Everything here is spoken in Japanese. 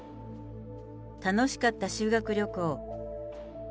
楽しかった修学旅行。